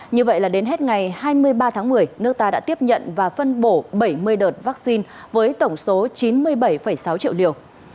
như vậy là đến hết ngày hai mươi ba tháng một mươi nước ta đã tiếp nhận và phân bổ bảy mươi đợt vaccine với tổng số chín mươi bảy sáu triệu liều